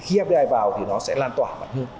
khi fdi vào thì nó sẽ lan tỏa mạnh hơn